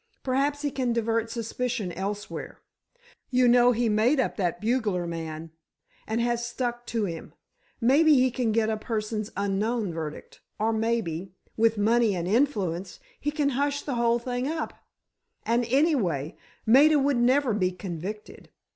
Perhaps he can divert suspicion elsewhere—you know he made up that bugler man, and has stuck to him—maybe he can get a persons unknown verdict—or maybe, with money and influence, he can hush the whole thing up—and, anyway—Maida would never be convicted.